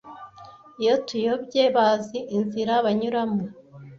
iyo tuyobye bazi inzira banyuramo